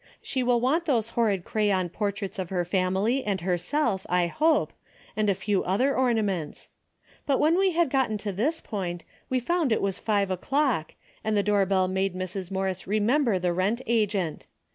She will want those horrid crayon portraits of her family and herself, I hope, and a few other ornaments. But when we had gotten to this point, we found it was five o'clock, and the door bell made Mrs. Morris remember the rent agent.